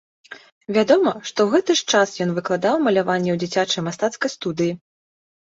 Вядома, што ў гэты ж час ён выкладаў маляванне ў дзіцячай мастацкай студыі.